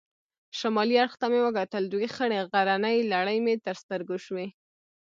شمالي اړخ ته مې وکتل، دوې خړې غرنۍ لړۍ مې تر سترګو شوې.